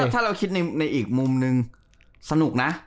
ถ้าเราคิดในอีกมุมนึงสนุกนะ